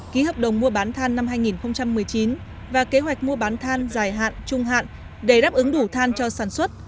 ký hợp đồng mua bán than năm hai nghìn một mươi chín và kế hoạch mua bán than dài hạn trung hạn để đáp ứng đủ than cho sản xuất